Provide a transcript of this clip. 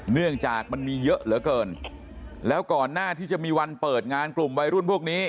เนื่องจากมันมีเยอะเหลือเกินแล้วก่อนหน้าที่จะมีวันเปิดงานกลุ่มวัยรุ่นพวกนี้